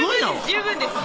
十分です